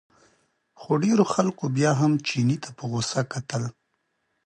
خو ډېرو خلکو بیا هم چیني ته په غوسه کتل.